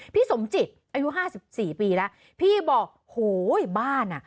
พี่สมจิตอายุห้าสิบสี่ปีแล้วพี่บอกโหยบ้านอ่ะ